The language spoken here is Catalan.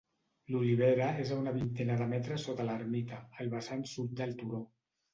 L'olivera és a una vintena de metres sota l'ermita, al vessant sud del turó.